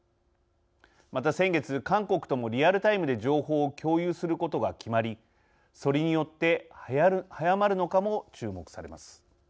また先月、韓国ともリアルタイムで情報を共有することが決まりそれによって早まるのかも注目されます。